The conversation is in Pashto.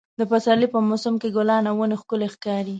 د پسرلي په موسم کې ګلان او ونې ښکلې ښکاري.